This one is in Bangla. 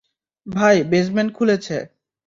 ভাই, বেসমেন্ট খুলেছে।